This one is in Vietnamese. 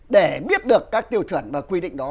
để biết được các tiêu chuẩn và quy định đó